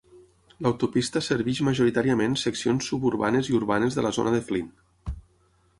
L'autopista serveix majoritàriament seccions suburbanes i urbanes de la zona de Flint.